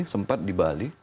sempat di bali